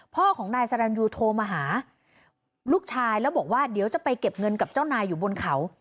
พ่อของนายสรรยูโทรมาหาลูกชายแล้วบอกว่าเดี๋ยวจะไปเก็บเงินกับเจ้านายอยู่บนเขา